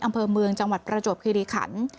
อำเภอเมืองจังหวัดประจวบคิริขัน